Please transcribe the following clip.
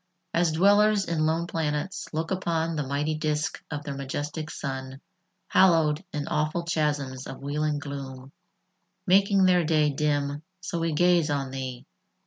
As dwellers in lone planets look upon The mighty disk of their majestic sun, Hallowed in awful chasms of wheeling gloom, Making their day dim, so we gaze on thee.